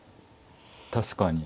確かに。